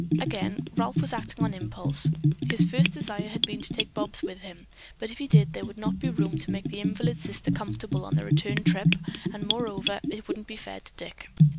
Again Ralph was acting on impulse. His first desire had been to take Bobs with him, but if he did there would not be room to make the invalid sister comfortable on the return trip, and, moreover, it wouldn't be fair to Dick.